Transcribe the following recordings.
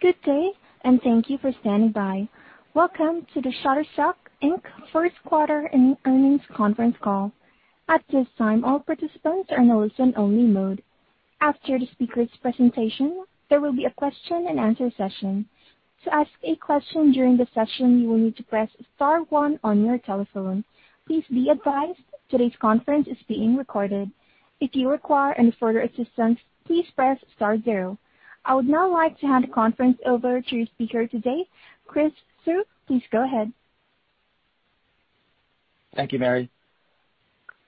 Good day. Thank you for standing by. Welcome to the Shutterstock Inc. First Quarter Earnings Conference Call. At this time, all participants are in a listen only mode. After the speakers presentation, there will be a question and answer session. To ask a question during the session, you will need to press star one on your telephone. Please be advised today's conference is being recorded. If you require any further assistance, please press star zero. I would now like to hand the conference over to your speaker today, Chris Suh. Please go ahead. Thank you, Mary.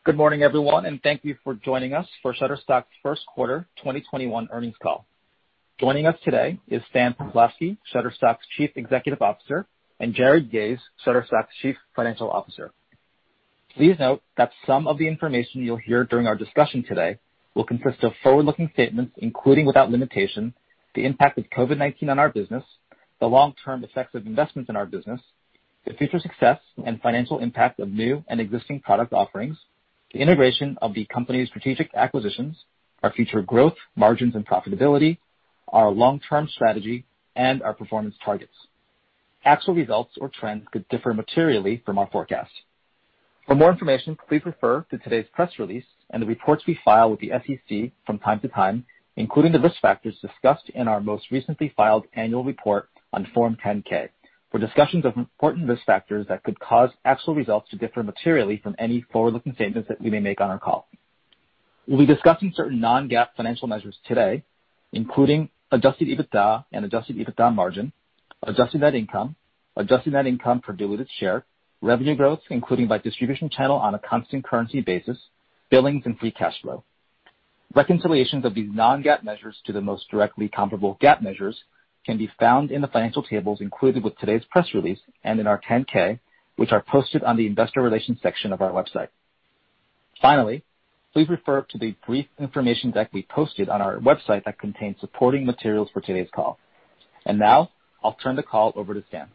Good morning, everyone, thank you for joining us for Shutterstock's first quarter 2021 earnings call. Joining us today is Stan Pavlovsky, Shutterstock's Chief Executive Officer, Jarrod Yahes, Shutterstock's Chief Financial Officer. Please note that some of the information you'll hear during our discussion today will consist of forward-looking statements, including without limitation, the impact of COVID-19 on our business, the long term effects of investments in our business, the future success and financial impact of new and existing product offerings, the integration of the company's strategic acquisitions, our future growth, margins, and profitability, our long term strategy, and our performance targets. Actual results or trends could differ materially from our forecasts. For more information, please refer to today's press release and the reports we file with the SEC from time to time, including the risk factors discussed in our most recently filed annual report on Form 10-K, for discussions of important risk factors that could cause actual results to differ materially from any forward-looking statements that we may make on our call. We'll be discussing certain non-GAAP financial measures today, including adjusted EBITDA and adjusted EBITDA margin, adjusted net income, adjusted net income per diluted share, revenue growth, including by distribution channel on a constant currency basis, billings, and free cash flow. Reconciliations of these non-GAAP measures to the most directly comparable GAAP measures can be found in the financial tables included with today's press release and in our 10-K, which are posted on the investor relations section of our website. Finally, please refer to the brief information deck we posted on our website that contains supporting materials for today's call. Now I'll turn the call over to Stan.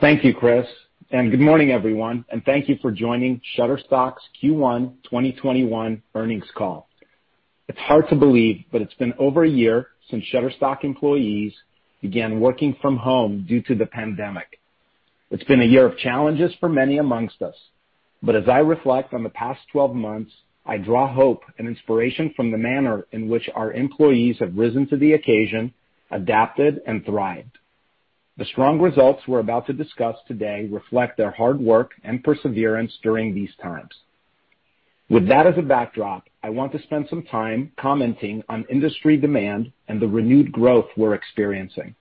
Thank you, Chris. Good morning, everyone, and thank you for joining Shutterstock's Q1 2021 earnings call. It's hard to believe, but it's been over a year since Shutterstock employees began working from home due to the pandemic. It's been a year of challenges for many amongst us, but as I reflect on the past 12 months, I draw hope and inspiration from the manner in which our employees have risen to the occasion, adapted, and thrived. The strong results we're about to discuss today reflect their hard work and perseverance during these times. With that as a backdrop, I want to spend some time commenting on industry demand and the renewed growth we're experiencing.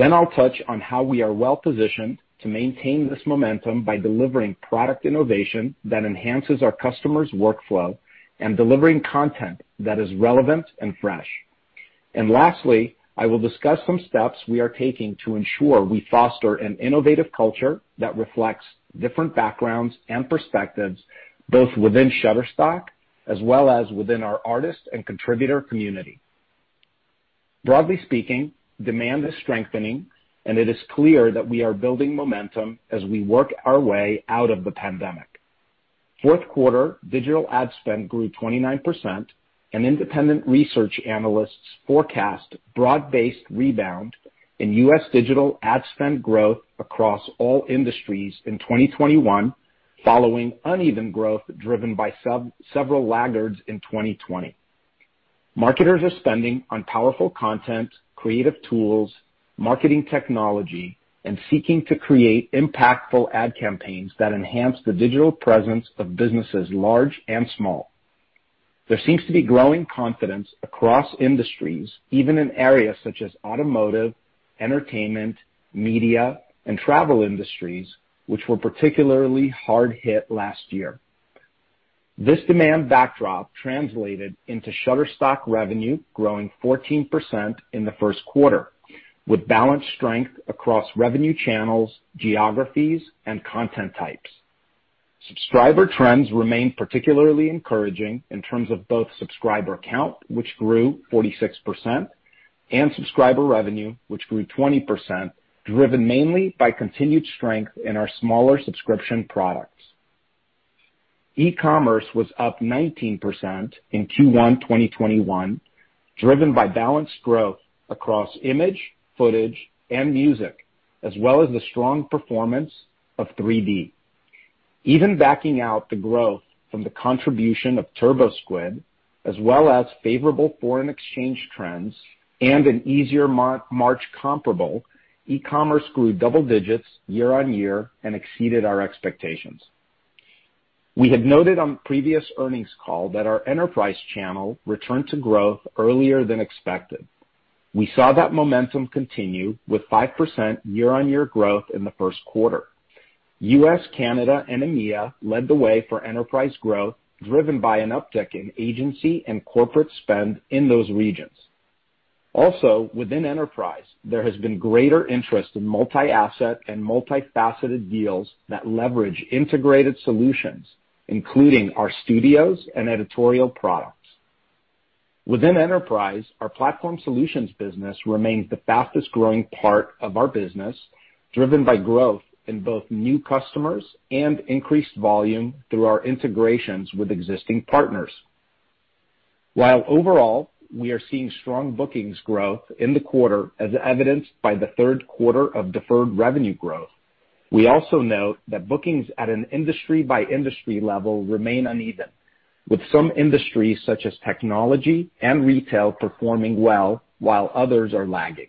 I'll touch on how we are well positioned to maintain this momentum by delivering product innovation that enhances our customers' workflow and delivering content that is relevant and fresh. Lastly, I will discuss some steps we are taking to ensure we foster an innovative culture that reflects different backgrounds and perspectives, both within Shutterstock as well as within our artist and contributor community. Broadly speaking, demand is strengthening, and it is clear that we are building momentum as we work our way out of the pandemic. Fourth quarter digital ad spend grew 29%, and independent research analysts forecast broad based rebound in U.S. digital ad spend growth across all industries in 2021, following uneven growth driven by several laggards in 2020. Marketers are spending on powerful content, creative tools, marketing technology, and seeking to create impactful ad campaigns that enhance the digital presence of businesses large and small. There seems to be growing confidence across industries, even in areas such as automotive, entertainment, media, and travel industries, which were particularly hard hit last year. This demand backdrop translated into Shutterstock revenue growing 14% in the first quarter, with balanced strength across revenue channels, geographies, and content types. Subscriber trends remained particularly encouraging in terms of both subscriber count, which grew 46%, and subscriber revenue, which grew 20%, driven mainly by continued strength in our smaller subscription products. E-commerce was up 19% in Q1 2021, driven by balanced growth across image, footage, and music, as well as the strong performance of 3D. Even backing out the growth from the contribution of TurboSquid, as well as favorable foreign exchange trends and an easier March comparable, e-commerce grew double digits year-on-year and exceeded our expectations. We had noted on previous earnings call that our enterprise channel returned to growth earlier than expected. We saw that momentum continue with 5% year-on-year growth in the first quarter. U.S., Canada, and EMEA led the way for enterprise growth, driven by an uptick in agency and corporate spend in those regions. Also within enterprise, there has been greater interest in multi-asset and multifaceted deals that leverage integrated solutions, including our studios and editorial products. Within enterprise, our platform solutions business remains the fastest growing part of our business, driven by growth in both new customers and increased volume through our integrations with existing partners. While overall, we are seeing strong bookings growth in the quarter, as evidenced by the third quarter of deferred revenue growth. We also note that bookings at an industry by industry level remain uneven, with some industries such as technology and retail performing well while others are lagging.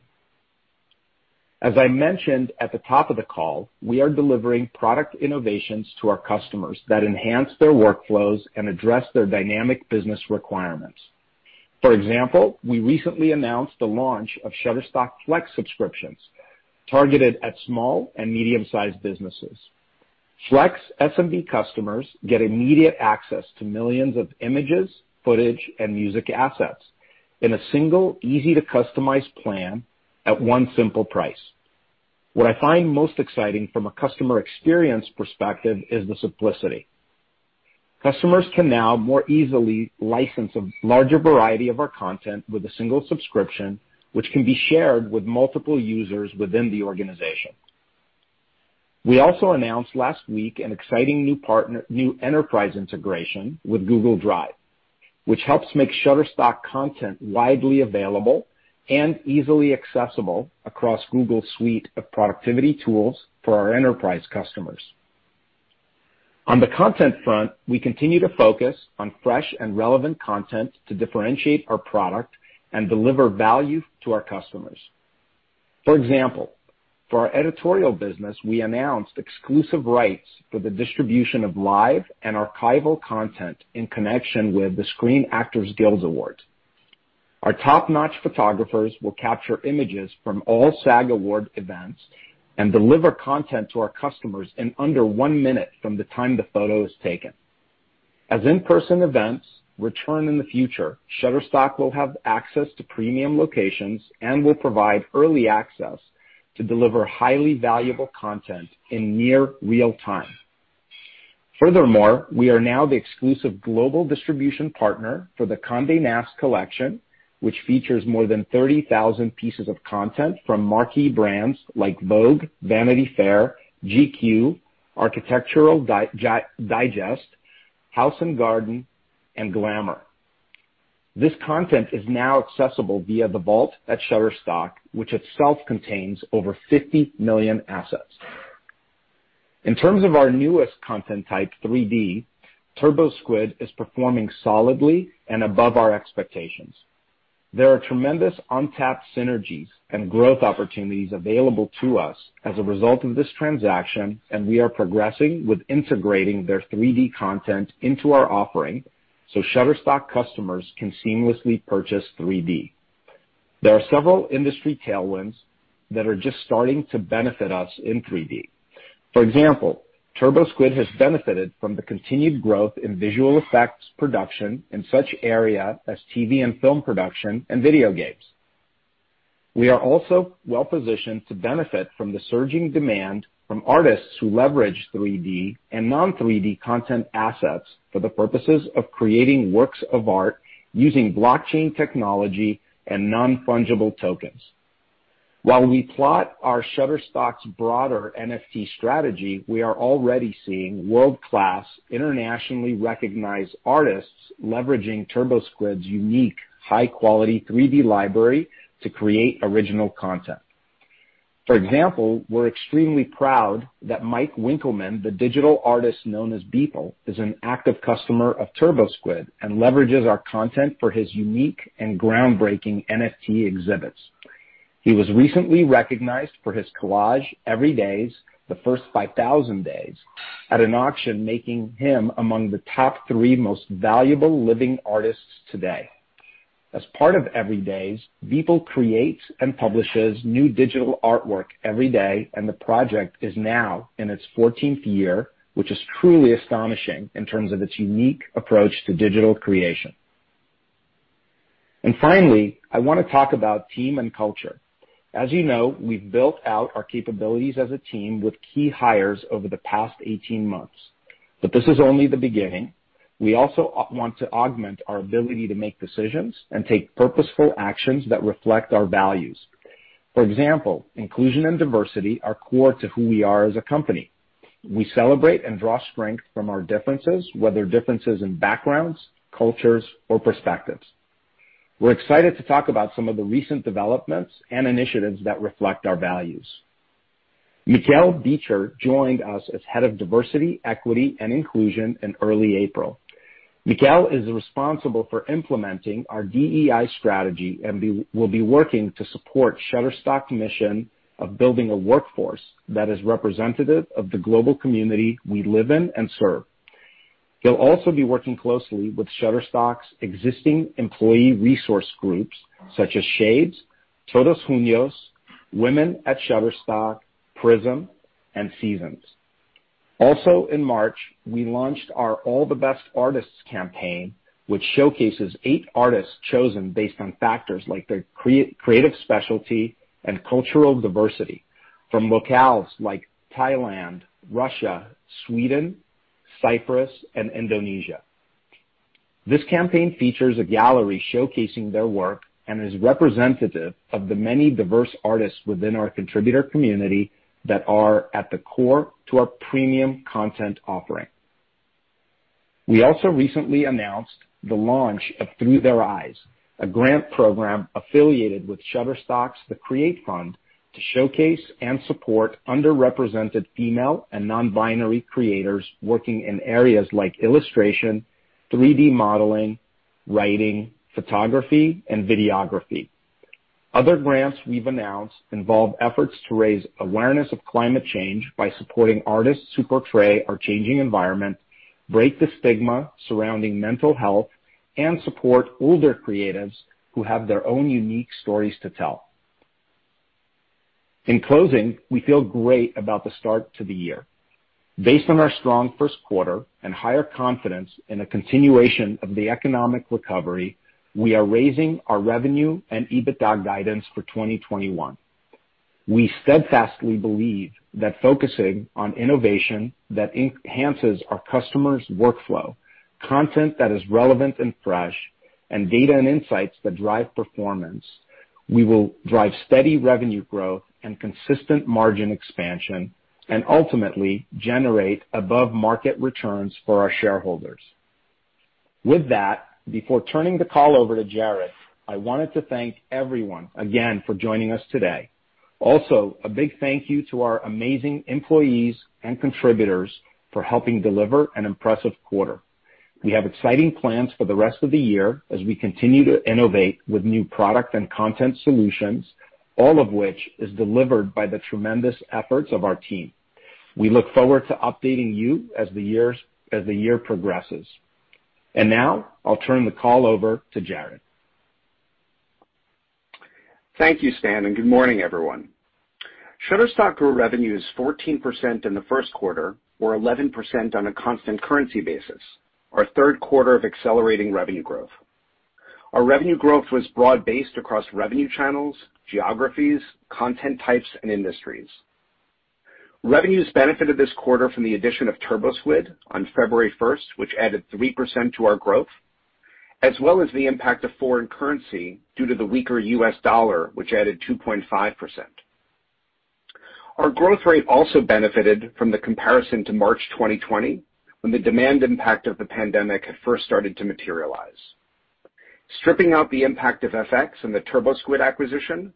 As I mentioned at the top of the call, we are delivering product innovations to our customers that enhance their workflows and address their dynamic business requirements. For example, we recently announced the launch of Shutterstock FLEX subscriptions targeted at small and medium-sized businesses. Flex SMB customers get immediate access to millions of images, footage, and music assets in a single easy-to-customize plan at one simple price. What I find most exciting from a customer experience perspective is the simplicity. Customers can now more easily license a larger variety of our content with a single subscription, which can be shared with multiple users within the organization. We also announced last week an exciting new enterprise integration with Google Drive, which helps make Shutterstock content widely available and easily accessible across Google Workspace of productivity tools for our enterprise customers. On the content front, we continue to focus on fresh and relevant content to differentiate our product and deliver value to our customers. For example, for our editorial business, we announced exclusive rights for the distribution of live and archival content in connection with the Screen Actors Guild Awards. Our top-notch photographers will capture images from all SAG Award events and deliver content to our customers in under one minute from the time the photo is taken. As in-person events return in the future, Shutterstock will have access to premium locations and will provide early access to deliver highly valuable content in near real time. Furthermore, we are now the exclusive global distribution partner for the Condé Nast collection, which features more than 30,000 pieces of content from marquee brands like Vogue, Vanity Fair, GQ, Architectural Digest, House & Garden, and Glamour. This content is now accessible via the Vault at Shutterstock, which itself contains over 50 million assets. In terms of our newest content type, 3D, TurboSquid is performing solidly and above our expectations. There are tremendous untapped synergies and growth opportunities available to us as a result of this transaction. We are progressing with integrating their 3D content into our offering so Shutterstock customers can seamlessly purchase 3D. There are several industry tailwinds that are just starting to benefit us in 3D. For example, TurboSquid has benefited from the continued growth in visual effects production in such areas as TV and film production and video games. We are also well positioned to benefit from the surging demand from artists who leverage 3D and non-3D content assets for the purposes of creating works of art using blockchain technology and non-fungible tokens. While we plot our Shutterstock's broader NFT strategy, we are already seeing world-class, internationally recognized artists leveraging TurboSquid's unique high-quality 3D library to create original content. For example, we're extremely proud that Mike Winkelmann, the digital artist known as Beeple, is an active customer of TurboSquid and leverages our content for his unique and groundbreaking NFT exhibits. He was recently recognized for his collage, Everydays: The First 5000 Days, at an auction, making him among the top three most valuable living artists today. As part of Everydays, Beeple creates and publishes new digital artwork every day, and the project is now in its 14th year, which is truly astonishing in terms of its unique approach to digital creation. Finally, I want to talk about team and culture. As you know, we've built out our capabilities as a team with key hires over the past 18 months, but this is only the beginning. We also want to augment our ability to make decisions and take purposeful actions that reflect our values. For example, inclusion and diversity are core to who we are as a company. We celebrate and draw strength from our differences, whether differences in backgrounds, cultures, or perspectives. We're excited to talk about some of the recent developments and initiatives that reflect our values. Meeckel Beecher joined us as Head of Diversity, Equity, and Inclusion in early April. Meeckel is responsible for implementing our DEI strategy and will be working to support Shutterstock's mission of building a workforce that is representative of the global community we live in and serve. He'll also be working closely with Shutterstock's existing employee resource groups such as ShADEs, Todos Juntos, Women@Shutterstock, Prism, and Seasons. Also in March, we launched our All The Best Artists campaign, which showcases eight artists chosen based on factors like their creative specialty and cultural diversity from locales like Thailand, Russia, Sweden, Cyprus, and Indonesia. This campaign features a gallery showcasing their work and is representative of the many diverse artists within our contributor community that are at the core to our premium content offering. We also recently announced the launch of Through Their Eyes, a grant program affiliated with Shutterstock's The Create Fund to showcase and support underrepresented female and non-binary creators working in areas like illustration, 3D modeling, writing, photography, and videography. Other grants we've announced involve efforts to raise awareness of climate change by supporting artists who portray our changing environment, break the stigma surrounding mental health, and support older creatives who have their own unique stories to tell. In closing, we feel great about the start to the year. Based on our strong first quarter and higher confidence in a continuation of the economic recovery, we are raising our revenue and EBITDA guidance for 2021. We steadfastly believe that focusing on innovation that enhances our customers' workflow, content that is relevant and fresh, and data and insights that drive performance, we will drive steady revenue growth and consistent margin expansion, and ultimately generate above-market returns for our shareholders. With that, before turning the call over to Jarrod, I wanted to thank everyone again for joining us today. Also, a big thank you to our amazing employees and contributors for helping deliver an impressive quarter. We have exciting plans for the rest of the year as we continue to innovate with new product and content solutions, all of which is delivered by the tremendous efforts of our team. We look forward to updating you as the year progresses. Now I'll turn the call over to Jarrod. Thank you, Stan. Good morning, everyone. Shutterstock grew revenues 14% in the first quarter, or 11% on a constant currency basis, our third quarter of accelerating revenue growth. Our revenue growth was broad-based across revenue channels, geographies, content types, and industries. Revenues benefited this quarter from the addition of TurboSquid on February 1st, which added 3% to our growth, as well as the impact of foreign currency due to the weaker U.S. dollar, which added 2.5%. Our growth rate also benefited from the comparison to March 2020, when the demand impact of the pandemic had first started to materialize. Stripping out the impact of FX and the TurboSquid acquisition,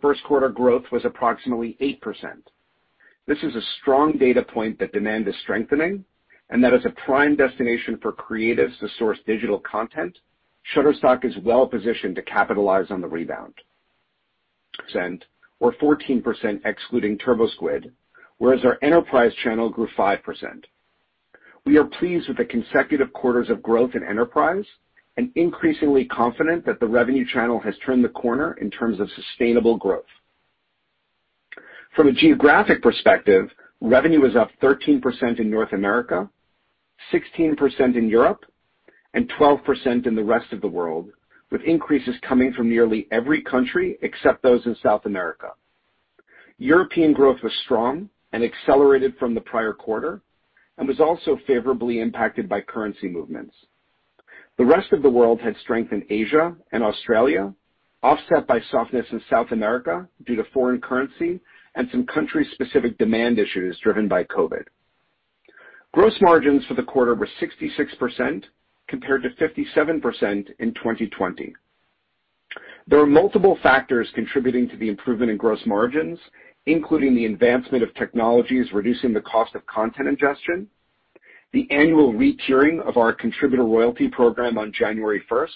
first quarter growth was approximately 8%. This is a strong data point that demand is strengthening, and that as a prime destination for creatives to source digital content, Shutterstock is well positioned to capitalize on the rebound. 14% excluding TurboSquid, whereas our enterprise channel grew 5%. We are pleased with the consecutive quarters of growth in enterprise and increasingly confident that the revenue channel has turned the corner in terms of sustainable growth. From a geographic perspective, revenue was up 13% in North America, 16% in Europe, and 12% in the rest of the world, with increases coming from nearly every country except those in South America. European growth was strong and accelerated from the prior quarter and was also favorably impacted by currency movements. The rest of the world had strength in Asia and Australia, offset by softness in South America due to foreign currency and some country-specific demand issues driven by COVID. Gross margins for the quarter were 66% compared to 57% in 2020. There are multiple factors contributing to the improvement in gross margins, including the advancement of technologies reducing the cost of content ingestion, the annual re-tiering of our contributor royalty program on January 1st,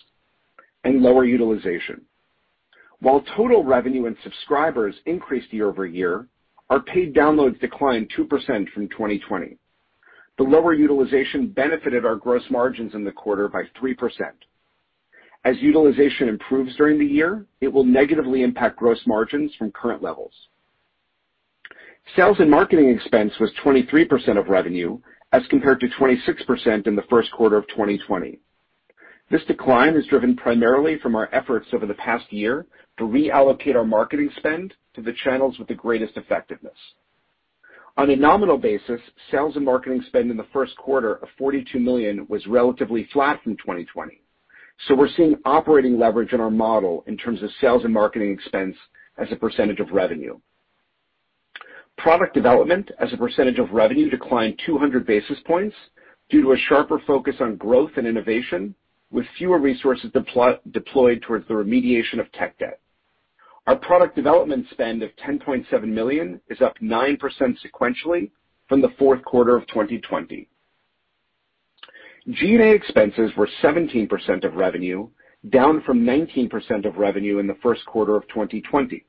and lower utilization. While total revenue and subscribers increased year-over-year, our paid downloads declined 2% from 2020. The lower utilization benefited our gross margins in the quarter by 3%. As utilization improves during the year, it will negatively impact gross margins from current levels. Sales and marketing expense was 23% of revenue as compared to 26% in the first quarter of 2020. This decline is driven primarily from our efforts over the past year to reallocate our marketing spend to the channels with the greatest effectiveness. On a nominal basis, sales and marketing spend in the first quarter of $42 million was relatively flat from 2020. We're seeing operating leverage in our model in terms of sales and marketing expense as a percentage of revenue. Product development as a percentage of revenue declined 200 basis points due to a sharper focus on growth and innovation with fewer resources deployed towards the remediation of tech debt. Our product development spend of $10.7 million is up 9% sequentially from the fourth quarter of 2020. G&A expenses were 17% of revenue, down from 19% of revenue in the first quarter of 2020.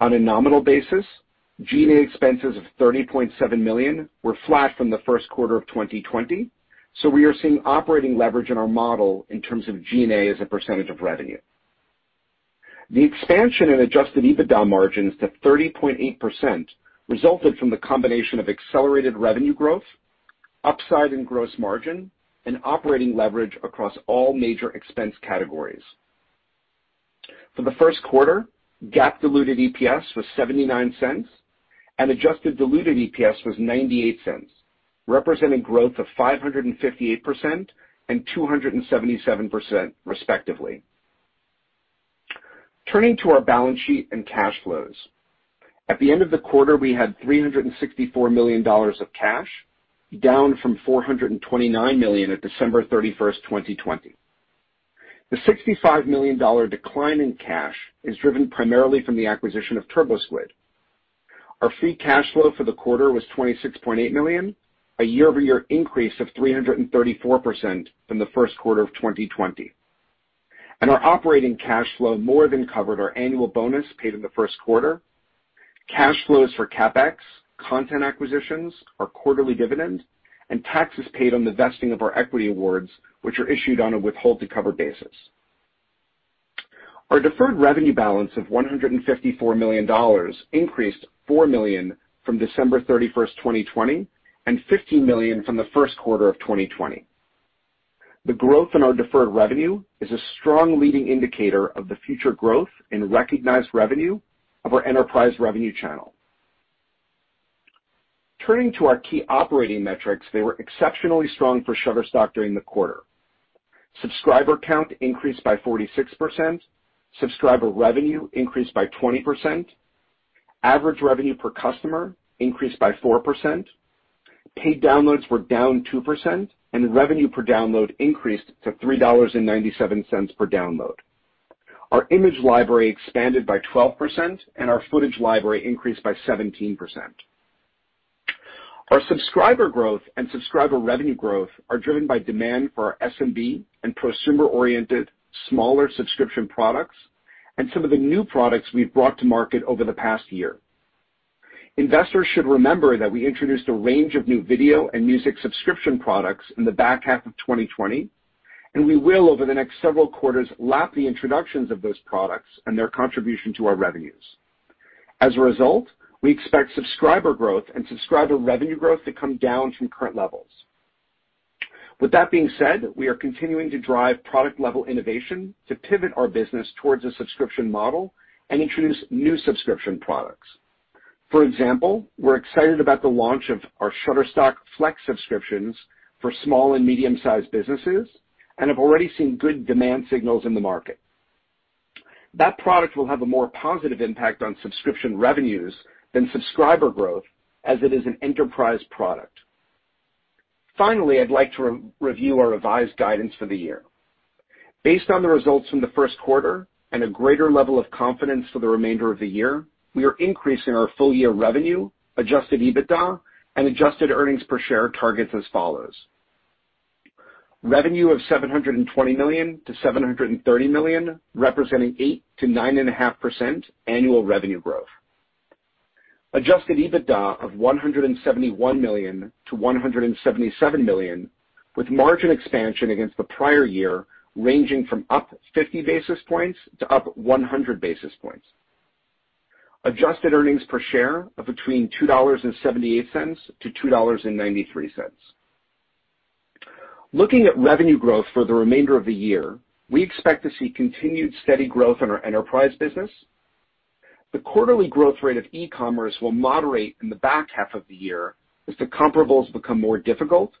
On a nominal basis, G&A expenses of $30.7 million were flat from the first quarter of 2020. We are seeing operating leverage in our model in terms of G&A as a percentage of revenue. The expansion in adjusted EBITDA margins to 30.8% resulted from the combination of accelerated revenue growth, upside in gross margin, and operating leverage across all major expense categories. For the first quarter, GAAP diluted EPS was $0.79 and adjusted diluted EPS was $0.98, representing growth of 558% and 277% respectively. Turning to our balance sheet and cash flows. At the end of the quarter, we had $364 million of cash, down from $429 million at December 31st, 2020. The $65 million decline in cash is driven primarily from the acquisition of TurboSquid. Our free cash flow for the quarter was $26.8 million, a year-over-year increase of 334% from the first quarter of 2020. Our operating cash flow more than covered our annual bonus paid in the first quarter, cash flows for CapEx, content acquisitions, our quarterly dividend, and taxes paid on the vesting of our equity awards, which are issued on a withhold to cover basis. Our deferred revenue balance of $154 million increased $4 million from December 31st, 2020, and $15 million from the first quarter of 2020. The growth in our deferred revenue is a strong leading indicator of the future growth in recognized revenue of our enterprise revenue channel. Turning to our key operating metrics, they were exceptionally strong for Shutterstock during the quarter. Subscriber count increased by 46%, subscriber revenue increased by 20%, average revenue per customer increased by 4%, paid downloads were down 2%, and the revenue per download increased to $3.97 per download. Our image library expanded by 12%, and our footage library increased by 17%. Our subscriber growth and subscriber revenue growth are driven by demand for our SMB and prosumer oriented smaller subscription products and some of the new products we've brought to market over the past year. Investors should remember that we introduced a range of new video and music subscription products in the back half of 2020, and we will, over the next several quarters, lap the introductions of those products and their contribution to our revenues. As a result, we expect subscriber growth and subscriber revenue growth to come down from current levels. With that being said, we are continuing to drive product-level innovation to pivot our business towards a subscription model and introduce new subscription products. For example, we're excited about the launch of our Shutterstock FLEX subscriptions for small and medium-sized businesses and have already seen good demand signals in the market. That product will have a more positive impact on subscription revenues than subscriber growth as it is an enterprise product. Finally, I'd like to review our revised guidance for the year. Based on the results from the first quarter and a greater level of confidence for the remainder of the year, we are increasing our full year revenue, adjusted EBITDA, and adjusted earnings per share targets as follows. Revenue of $720 million-$730 million, representing 8%-9.5% annual revenue growth. adjusted EBITDA of $171 million-$177 million, with margin expansion against the prior year ranging from up 50 basis points-up 100 basis points. adjusted earnings per share of between $2.78-$2.93. Looking at revenue growth for the remainder of the year, we expect to see continued steady growth in our enterprise business. The quarterly growth rate of e-commerce will moderate in the back half of the year as the comparables become more difficult,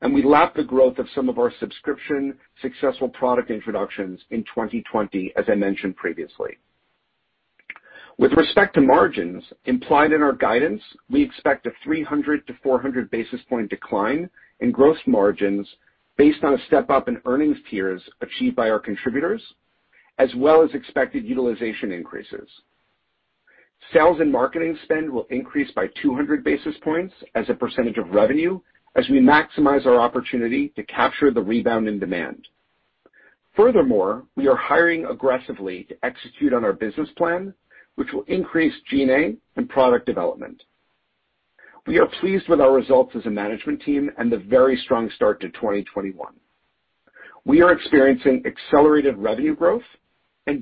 and we lap the growth of some of our subscription successful product introductions in 2020, as I mentioned previously. With respect to margins implied in our guidance, we expect a 300-400 basis point decline in gross margins based on a step-up in earnings tiers achieved by our contributors, as well as expected utilization increases. Sales and marketing spend will increase by 200 basis points as a percentage of revenue as we maximize our opportunity to capture the rebound in demand. We are hiring aggressively to execute on our business plan, which will increase G&A and product development. We are pleased with our results as a management team and the very strong start to 2021. We are experiencing accelerated revenue growth,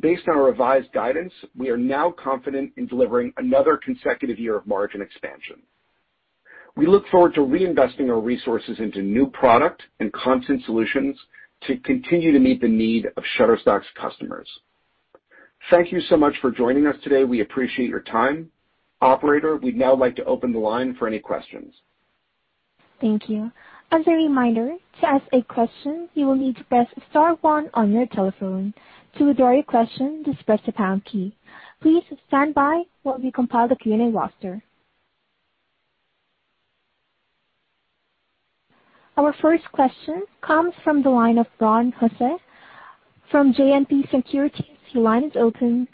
based on our revised guidance, we are now confident in delivering another consecutive year of margin expansion. We look forward to reinvesting our resources into new product and content solutions to continue to meet the need of Shutterstock's customers. Thank you so much for joining us today. We appreciate your time. Operator, we'd now like to open the line for any questions. Thank you. As a reminder, to ask a question, you will need to press star one on your telephone. To withdraw your question, just press the pound key. Please stand by while we compile the Q&A roster. Our first question comes from the line of Ronald Josey from JMP Securities. Your line is open.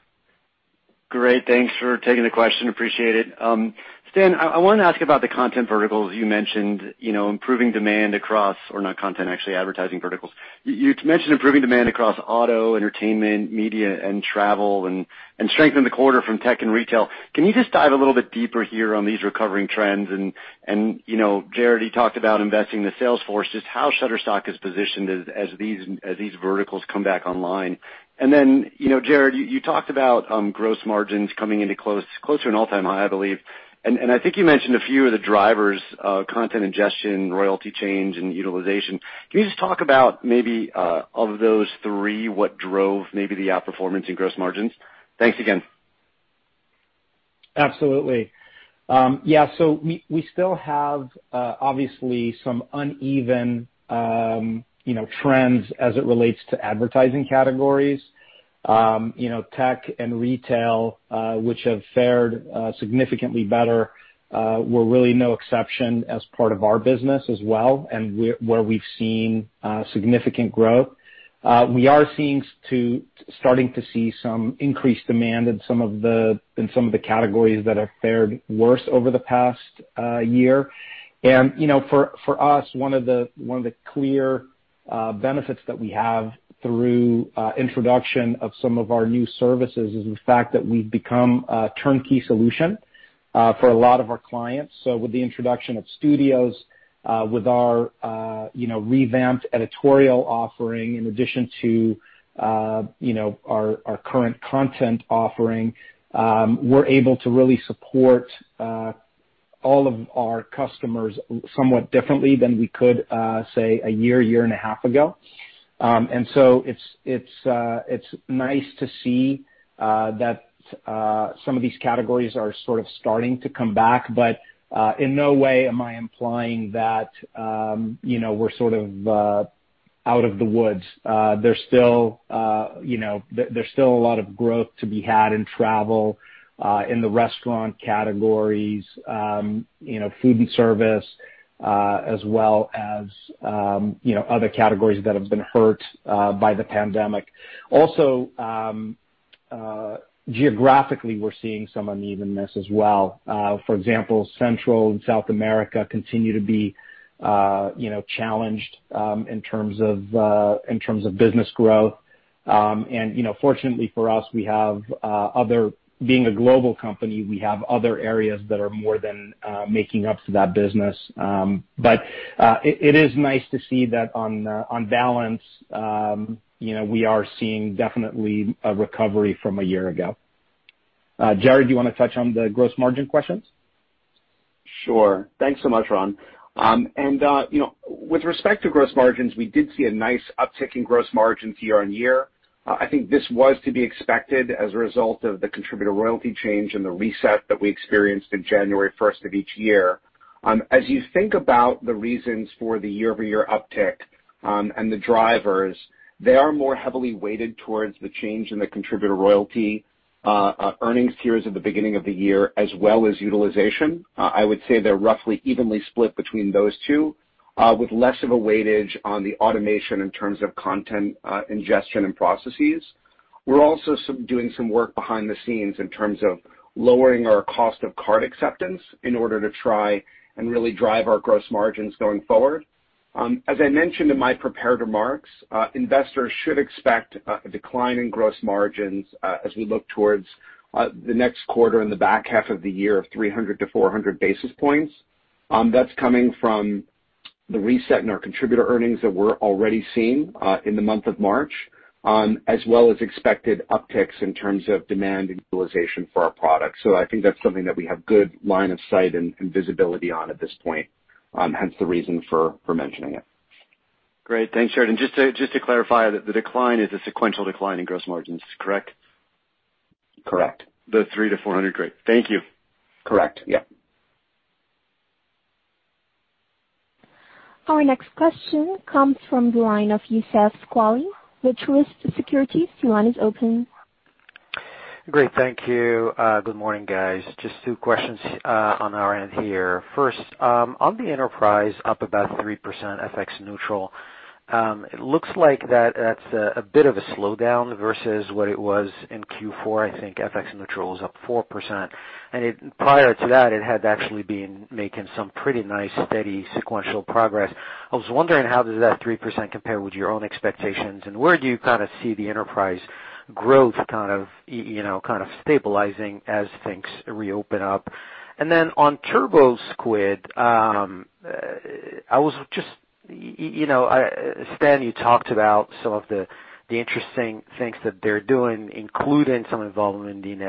Great. Thanks for taking the question. Appreciate it. Stan, I wanted to ask about the content verticals you mentioned, improving demand across, or not content, actually, advertising verticals. You mentioned improving demand across auto, entertainment, media, and travel, and strength in the quarter from tech and retail. Can you just dive a little bit deeper here on these recovering trends and, Jarrod, you talked about investing the sales force, just how Shutterstock is positioned as these verticals come back online. Jarrod, you talked about gross margins coming into closer and all-time high, I believe. I think you mentioned a few of the drivers, content ingestion, royalty change, and utilization. Can you just talk about maybe, of those three, what drove maybe the outperformance in gross margins? Thanks again. Absolutely. We still have obviously some uneven trends as it relates to advertising categories. Tech and retail, which have fared significantly better, were really no exception as part of our business as well, and where we've seen significant growth. We are starting to see some increased demand in some of the categories that have fared worse over the past year. For us, one of the clear benefits that we have through introduction of some of our new services is the fact that we've become a turnkey solution for a lot of our clients. With the introduction of studios, with our revamped editorial offering, in addition to our current content offering, we're able to really support all of our customers somewhat differently than we could, say, a year and a half ago. It's nice to see that some of these categories are sort of starting to come back. In no way am I implying that we're sort of out of the woods. There's still a lot of growth to be had in travel, in the restaurant categories, food and service, as well as other categories that have been hurt by the pandemic. Geographically, we're seeing some unevenness as well. For example, Central and South America continue to be challenged in terms of business growth. Fortunately for us, being a global company, we have other areas that are more than making up for that business. It is nice to see that on balance we are seeing definitely a recovery from a year ago. Jarrod, do you want to touch on the gross margin questions? Sure. Thanks so much, Ronald Josey. With respect to gross margins, we did see a nice uptick in gross margins year-over-year. I think this was to be expected as a result of the contributor royalty change and the reset that we experienced in January 1st of each year. As you think about the reasons for the year-over-year uptick and the drivers, they are more heavily weighted towards the change in the contributor royalty earnings tiers at the beginning of the year, as well as utilization. I would say they're roughly evenly split between those two, with less of a weightage on the automation in terms of content ingestion and processes. We're also doing some work behind the scenes in terms of lowering our cost of card acceptance in order to try and really drive our gross margins going forward. As I mentioned in my prepared remarks, investors should expect a decline in gross margins as we look towards the next quarter in the back half of the year of 300 to 400 basis points. That's coming from the reset in our contributor earnings that we're already seeing in the month of March, as well as expected upticks in terms of demand and utilization for our product. I think that's something that we have good line of sight and visibility on at this point, hence the reason for mentioning it. Great. Thanks, Jarrod. Just to clarify, the decline is a sequential decline in gross margins, correct? Correct. The 3-400. Great. Thank you. Correct. Yeah. Our next question comes from the line of Youssef Squali with Truist Securities. Your line is open. Great, thank you. Good morning, guys. Just two questions on our end here. First, on the enterprise up about 3% FX neutral. It looks like that's a bit of a slowdown versus what it was in Q4, I think FX neutral was up 4%. Prior to that, it had actually been making some pretty nice, steady sequential progress. I was wondering how does that 3% compare with your own expectations, and where do you kind of see the enterprise growth kind of stabilizing as things reopen up? On TurboSquid, Stan, you talked about some of the interesting things that they're doing, including some involvement in the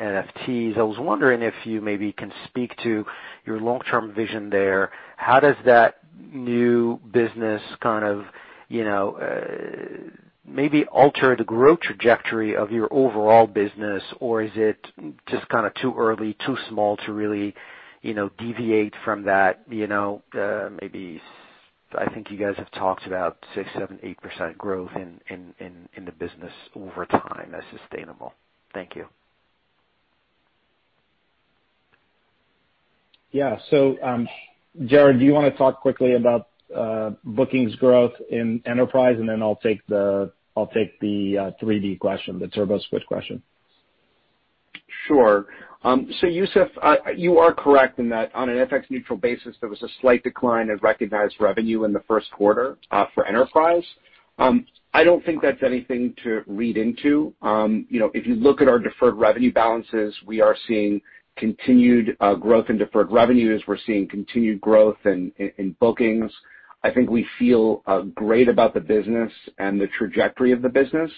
NFTs. I was wondering if you maybe can speak to your long-term vision there. How does that new business kind of maybe alter the growth trajectory of your overall business? Is it just kind of too early, too small to really deviate from that? I think you guys have talked about 6%, 7%, 8% growth in the business over time as sustainable. Thank you. Yeah. Jarrod, do you want to talk quickly about bookings growth in enterprise, and then I'll take the 3D question, the TurboSquid question. Sure. Youssef, you are correct in that on an FX neutral basis, there was a slight decline of recognized revenue in the first quarter for enterprise. I don't think that's anything to read into. If you look at our deferred revenue balances, we are seeing continued growth in deferred revenues. We're seeing continued growth in bookings. I think we feel great about the business and the trajectory of the business.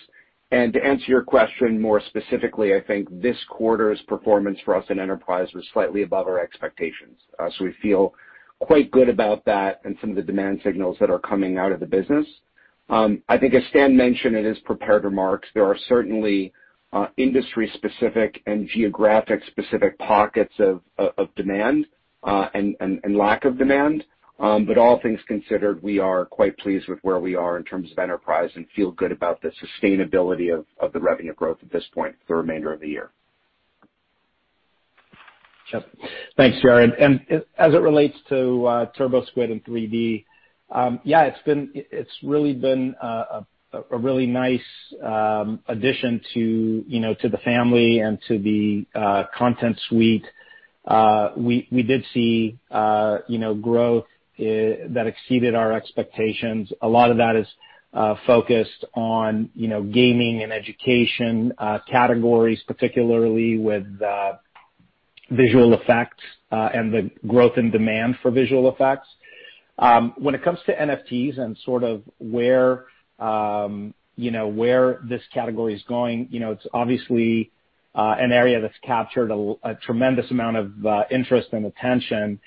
To answer your question more specifically, I think this quarter's performance for us in enterprise was slightly above our expectations. We feel quite good about that and some of the demand signals that are coming out of the business. I think as Stan mentioned in his prepared remarks, there are certainly industry-specific and geographic-specific pockets of demand and lack of demand. All things considered, we are quite pleased with where we are in terms of enterprise and feel good about the sustainability of the revenue growth at this point for the remainder of the year. Yep. Thanks, Jarrod. As it relates to TurboSquid and 3D, yeah, it's really been a really nice addition to the family and to the content suite. We did see growth that exceeded our expectations. A lot of that is focused on gaming and education categories, particularly with visual effects and the growth in demand for visual effects. When it comes to NFTs and sort of where this category is going, it's obviously an area that's captured a tremendous amount of interest and attention.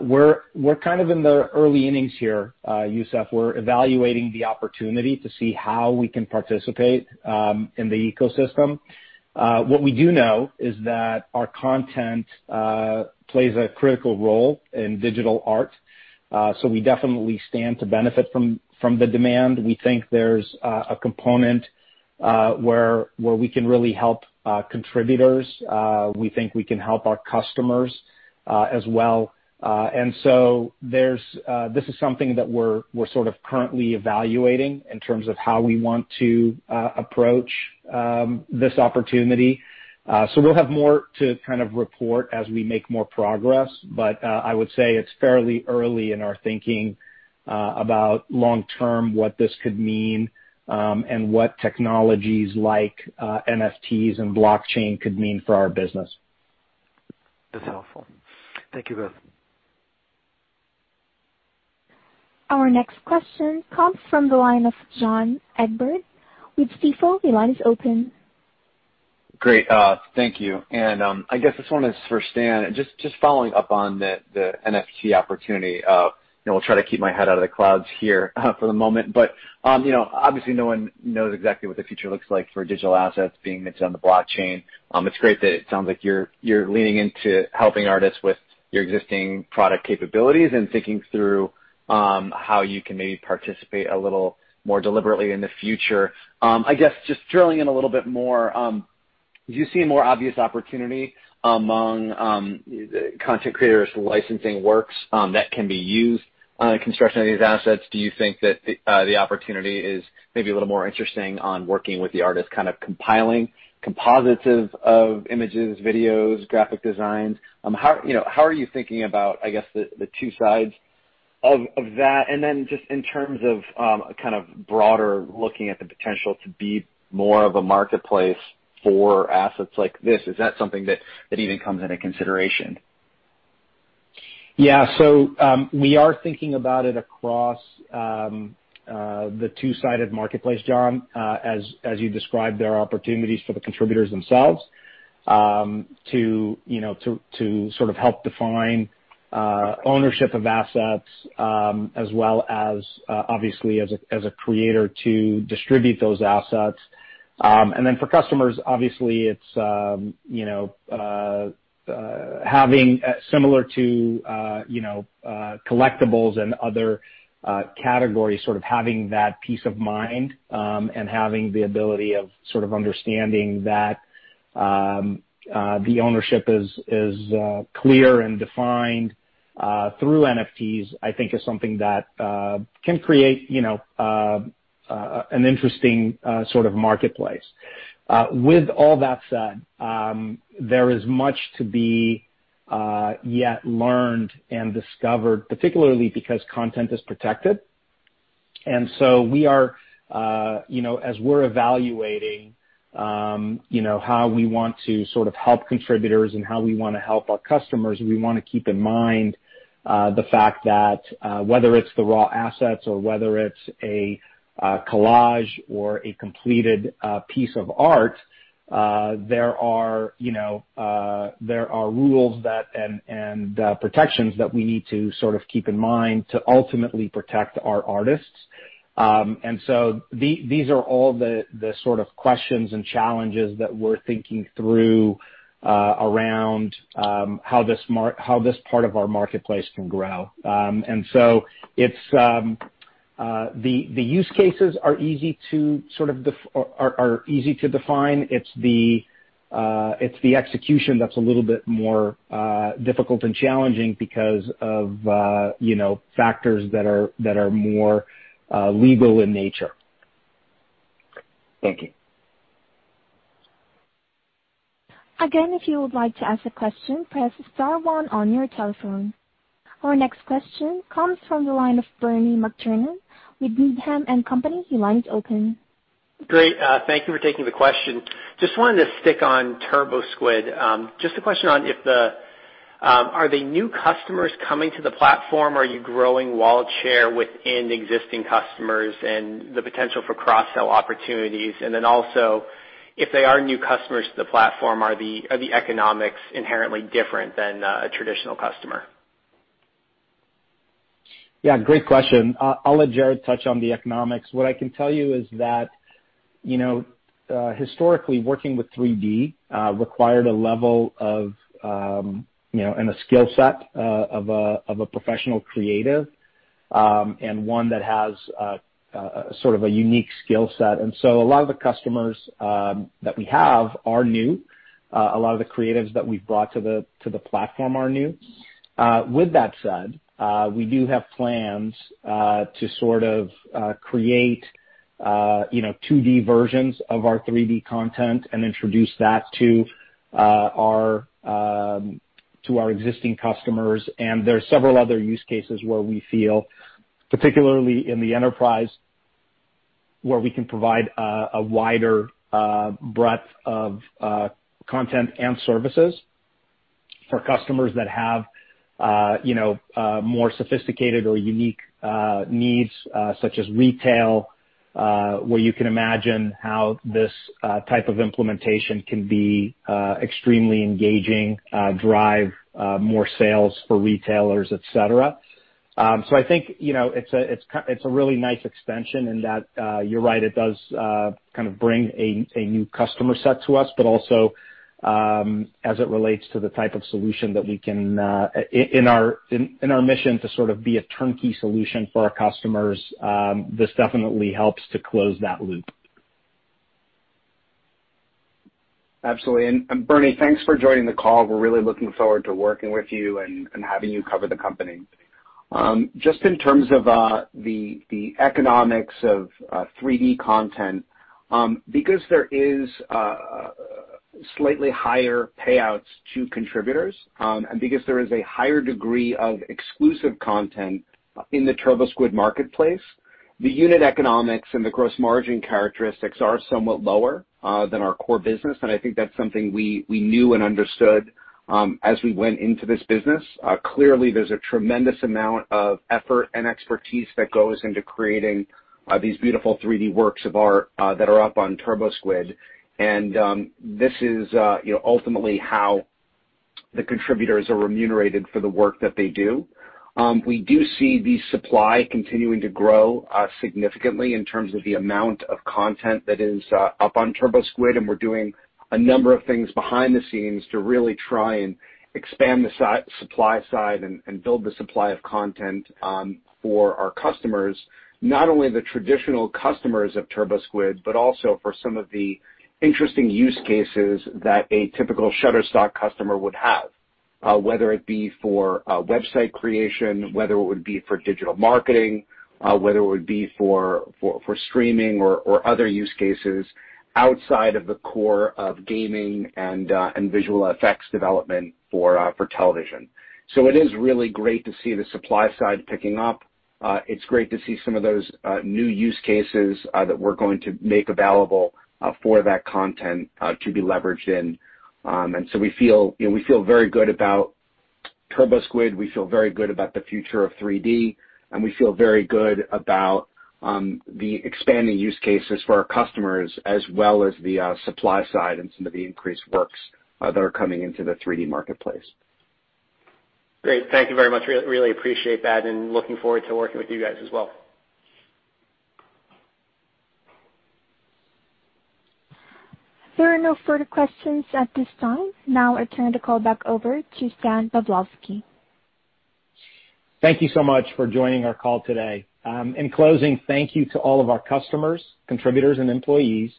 We're kind of in the early innings here, Youssef. We're evaluating the opportunity to see how we can participate in the ecosystem. What we do know is that our content plays a critical role in digital art. We definitely stand to benefit from the demand. We think there's a component where we can really help contributors. We think we can help our customers as well. This is something that we're sort of currently evaluating in terms of how we want to approach this opportunity. We'll have more to kind of report as we make more progress. I would say it's fairly early in our thinking about long-term, what this could mean, and what technologies like NFTs and blockchain could mean for our business. That's helpful. Thank you both. Our next question comes from the line of John Egbert with Stifel. Your line is open. Great. Thank you. I guess this one is for Stan, just following up on the NFT opportunity. I'll try to keep my head out of the clouds here for the moment. Obviously no one knows exactly what the future looks like for digital assets being minted on the blockchain. It's great that it sounds like you're leaning into helping artists with your existing product capabilities and thinking through how you can maybe participate a little more deliberately in the future. I guess, just drilling in a little bit more, do you see a more obvious opportunity among content creators licensing works that can be used in construction of these assets? Do you think that the opportunity is maybe a little more interesting on working with the artist, kind of compiling composites of images, videos, graphic designs? How are you thinking about, I guess, the two sides of that? Just in terms of kind of broader looking at the potential to be more of a marketplace for assets like this, is that something that even comes into consideration? Yeah. We are thinking about it across the two-sided marketplace, John. As you described, there are opportunities for the contributors themselves to sort of help define ownership of assets as well as, obviously, as a creator to distribute those assets. For customers, obviously, it's having similar to collectibles and other categories, sort of having that peace of mind, and having the ability of sort of understanding that the ownership is clear and defined through NFTs, I think is something that can create an interesting sort of marketplace. With all that said, there is much to be yet learned and discovered, particularly because content is protected. As we're evaluating how we want to sort of help contributors and how we want to help our customers, we want to keep in mind the fact that whether it's the raw assets or whether it's a collage or a completed piece of art, there are rules and protections that we need to sort of keep in mind to ultimately protect our artists. These are all the sort of questions and challenges that we're thinking through around how this part of our marketplace can grow. The use cases are easy to define. It's the execution that's a little bit more difficult and challenging because of factors that are more legal in nature. Thank you. Again, if you would like to ask a question, press star one on your telephone. Our next question comes from the line of Bernie McTernan with Needham & Company. Your line is open. Great. Thank you for taking the question. Just wanted to stick on TurboSquid. Just a question on, are the new customers coming to the platform? Are you growing wallet share within existing customers and the potential for cross-sell opportunities? Then also, if they are new customers to the platform, are the economics inherently different than a traditional customer? Yeah, great question. I'll let Jarrod touch on the economics. What I can tell you is that historically, working with 3D required a level of and a skill set of a professional creative, and one that has a sort of a unique skill set. A lot of the customers that we have are new. A lot of the creatives that we've brought to the platform are new. With that said, we do have plans to sort of create 2D versions of our 3D content and introduce that to our existing customers. There are several other use cases where we feel, particularly in the enterprise, where we can provide a wider breadth of content and services for customers that have more sophisticated or unique needs, such as retail, where you can imagine how this type of implementation can be extremely engaging, drive more sales for retailers, et cetera. I think it's a really nice extension in that, you're right, it does kind of bring a new customer set to us. Also, as it relates to the type of solution that we can, in our mission to sort of be a turnkey solution for our customers, this definitely helps to close that loop. Absolutely. Bernie, thanks for joining the call. We're really looking forward to working with you and having you cover the company. Just in terms of the economics of 3D content, because there is slightly higher payouts to contributors, and because there is a higher degree of exclusive content in the TurboSquid marketplace, the unit economics and the gross margin characteristics are somewhat lower than our core business. I think that's something we knew and understood as we went into this business. Clearly, there's a tremendous amount of effort and expertise that goes into creating these beautiful 3D works of art that are up on TurboSquid. This is ultimately how the contributors are remunerated for the work that they do. We do see the supply continuing to grow significantly in terms of the amount of content that is up on TurboSquid, and we're doing a number of things behind the scenes to really try and expand the supply side and build the supply of content for our customers, not only the traditional customers of TurboSquid, but also for some of the interesting use cases that a typical Shutterstock customer would have, whether it be for website creation, whether it would be for digital marketing, whether it would be for streaming or other use cases outside of the core of gaming and visual effects development for television. It is really great to see the supply side picking up. It's great to see some of those new use cases that we're going to make available for that content to be leveraged in. We feel very good about TurboSquid. We feel very good about the future of 3D, and we feel very good about the expanding use cases for our customers, as well as the supply side and some of the increased works that are coming into the 3D marketplace. Great. Thank you very much. Really appreciate that and looking forward to working with you guys as well. There are no further questions at this time. Now I turn the call back over to Stan Pavlovsky. Thank you so much for joining our call today. In closing, thank you to all of our customers, contributors and employees.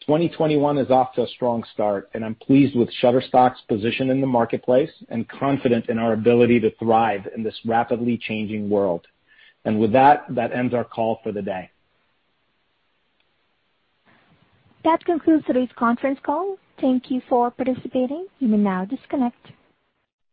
2021 is off to a strong start, and I'm pleased with Shutterstock's position in the marketplace and confident in our ability to thrive in this rapidly changing world. With that ends our call for the day. That concludes today's conference call. Thank Thank you for participating. You may now disconnect.